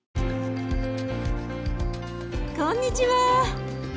こんにちは。